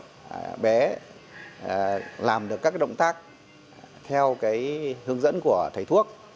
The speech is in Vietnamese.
các bé làm được các động tác theo hướng dẫn của thầy thuốc